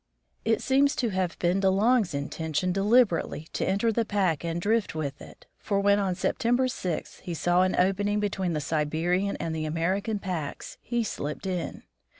It seems to have been De Long's intention deliberately to enter the pack and drift with it, for when, on Septem ber 6, he saw an opening between the Siberian and the American packs, he slipped in.